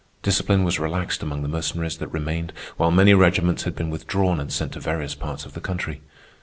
Discipline was relaxed among the Mercenaries that remained, while many regiments had been withdrawn and sent to various parts of the country.